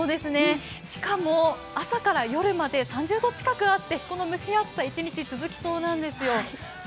しかも朝から夜まで３０度近くあって、この蒸し暑さ、一日続きそうなんですよ。